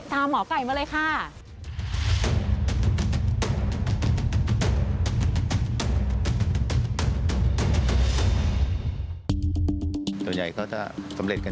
หมอไก่มาเลยค่ะ